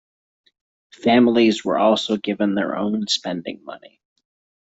Families were also given their own spending money.